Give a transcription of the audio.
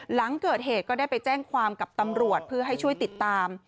หลังเกิดเหตุก็ได้ไปแจ้งความกับตำรวจเพื่อให้ช่วยติดตาม